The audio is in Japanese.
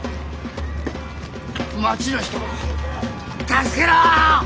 町の人を助けろ！